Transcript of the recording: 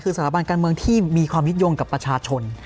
คือสถาบันการเมืองที่มีความยึดโยงกับประชาชน